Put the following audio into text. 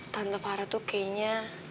tante farah tuh kayaknya